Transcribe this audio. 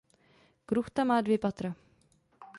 Kruchta má dvě patra.